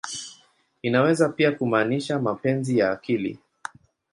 Inaweza pia kumaanisha "mapenzi ya akili.